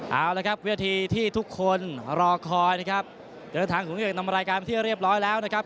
เอาละครับวิธีที่ทุกคนรอคอยนะครับเดินทางของพี่เอกนำรายการไปที่เรียบร้อยแล้วนะครับ